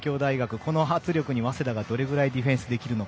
この迫力に早稲田がどれだけディフェンスできるのか。